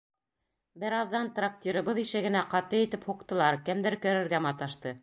Бер аҙҙан трактирыбыҙ ишегенә ҡаты итеп һуҡтылар, кемдер керергә маташты.